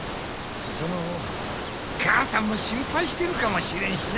そのかあさんも心配してるかもしれんしな。